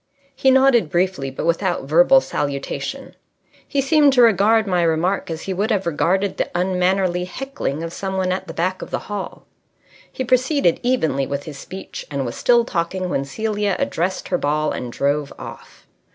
He nodded briefly, but without verbal salutation. He seemed to regard my remark as he would have regarded the unmannerly heckling of some one at the back of the hall. He proceeded evenly with his speech, and was still talking when Celia addressed her ball and drove off.